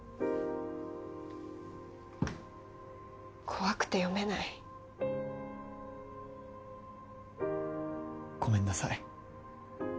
怖くて読めないごめんなさい